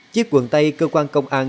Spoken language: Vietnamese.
chiếc quần tay cơ quan công an